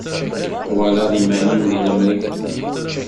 Twalaḍ iman-im deg lemri.